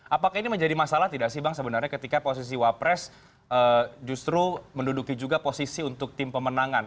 apakah ini menjadi masalah tidak sih bang sebenarnya ketika posisi wapres justru menduduki juga posisi untuk tim pemenangan